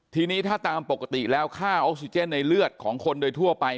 ทีนี้ถ้าตามปกติแล้วค่าออกซิเจนในเลือดของคนโดยทั่วไป